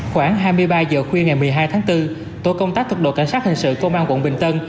khoảng hai mươi ba giờ khuya ngày một mươi hai tháng bốn tổ công tác thuộc đội cảnh sát hình sự công an quận bình tân